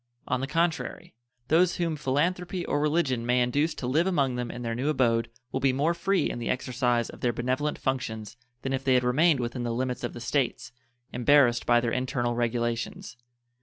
On the contrary, those whom philanthropy or religion may induce to live among them in their new abode will be more free in the exercise of their benevolent functions than if they had remained within the limits of the States, embarrassed by their internal regulations.